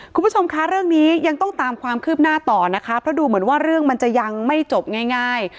คุณผู้ชมคะเรื่องนี้ยังต้องตามความคืบหน้าต่อนะคะเพราะดูเหมือนว่าเรื่องมันจะยังไม่จบง่าย